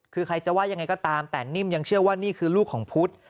คือใครจะว่ายังไงก็ตามแต่นิ่มยังเชื่อว่านี่คือลูกของพุทธ